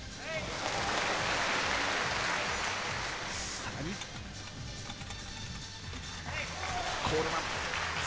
さらにコールマン。